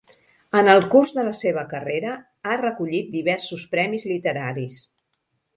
En el curs de la seva carrera ha recollit diversos premis literaris.